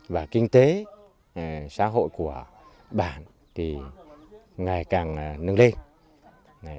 và kinh tế xã hội của bản thì ngày càng nâng lên